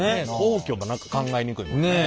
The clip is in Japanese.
皇居も何か考えにくいもんね。